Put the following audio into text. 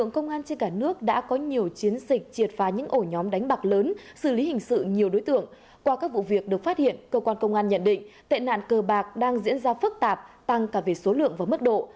công an nhận định tệ nạn cờ bạc đang diễn ra phức tạp tăng cả về số lượng và mức độ